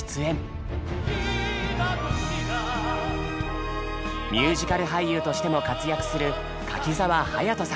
ミュージカル俳優としても活躍する柿澤勇人さん。